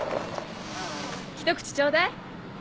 ひと口ちょうだい。